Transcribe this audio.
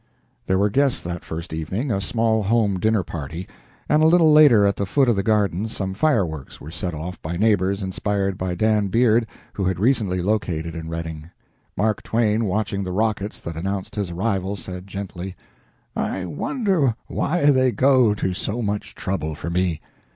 There were guests that first evening a small home dinner party and a little later at the foot of the garden some fireworks were set off by neighbors inspired by Dan Beard, who had recently located in Redding. Mark Twain, watching the rockets that announced his arrival, said, gently: "I wonder why they go to so much trouble for me.